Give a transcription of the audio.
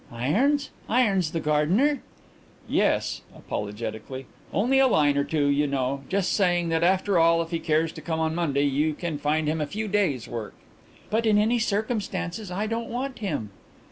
"Irons! Irons the gardener?" "Yes," apologetically. "Only a line or two, you know. Just saying that, after all, if he cares to come on Monday you can find him a few days' work." "But in any circumstances I don't want him."